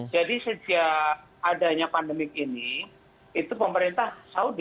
jadi sejak adanya pandemi ini pemerintahan saudi